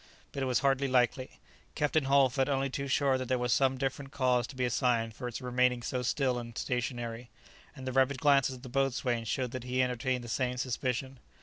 But it was hardly likely. Captain Hull felt only too sure that there was some different cause to be assigned for its remaining so still and stationary; and the rapid glances of the boatswain showed that he entertained the same suspicion.